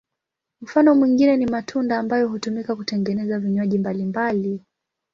Mfano mwingine ni matunda ambayo hutumika kutengeneza vinywaji mbalimbali.